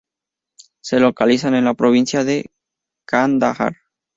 Se localizan en la provincia de Kandahar.